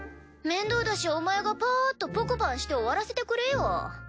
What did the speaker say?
面倒だしお前がパーっとポコパンして終わらせてくれよ。